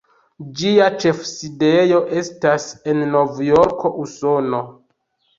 Ĝia ĉefsidejo estas en Novjorko, Usono.